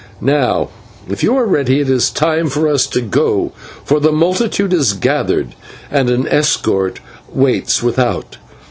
Now, if you are ready, it is time for us to go, for the multitude is gathered, and an escort waits us without."